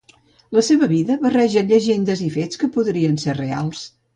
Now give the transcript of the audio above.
La seva vida barreja llegendes i fets que podrien ésser reals.